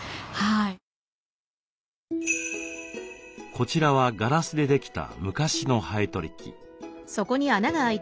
こちらはガラスでできた昔のハエ取り器。